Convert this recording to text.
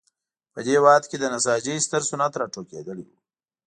په دې هېواد کې د نساجۍ ستر صنعت راټوکېدلی و.